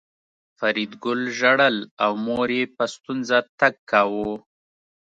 فریدګل ژړل او مور یې په ستونزه تګ کاوه